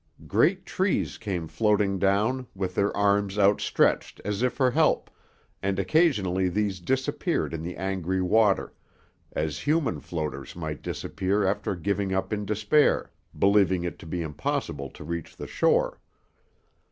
Great trees came floating down, with their arms outstretched as if for help, and occasionally these disappeared in the angry water, as human floaters might disappear after giving up in despair, believing it to be impossible to reach the shore.